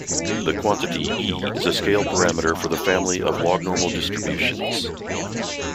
The quantity "e" is a scale parameter for the family of lognormal distributions.